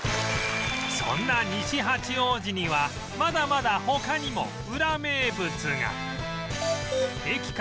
そんな西八王子にはまだまだ他にもウラ名物が